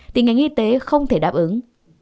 thì ngành y tế không thể đáp ứng